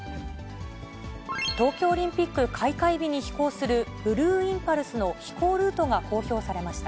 東京オリンピック開会日に飛行するブルーインパルスの飛行ルートが公表されました。